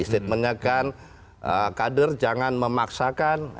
statementnya kan kader jangan memaksakan